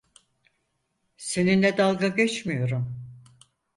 Seninle dalga geçmiyorum.